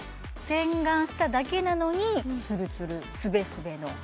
洗顔しただけなのにツルツルスベスベのお肌